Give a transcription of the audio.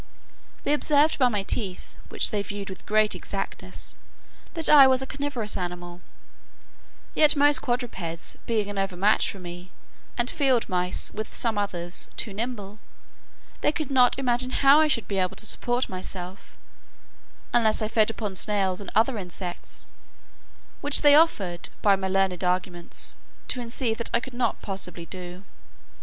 They observed by my teeth, which they viewed with great exactness, that I was a carnivorous animal; yet most quadrupeds being an overmatch for me, and field mice, with some others, too nimble, they could not imagine how I should be able to support myself, unless I fed upon snails and other insects, which they offered, by many learned arguments, to evince that I could not possibly do.